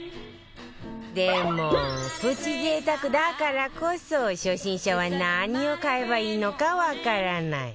でもプチ贅沢だからこそ初心者は何を買えばいいのかわからない